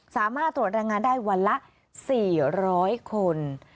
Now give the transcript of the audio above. สามารถตรวจแรงงานได้วันละ๔๐๐คน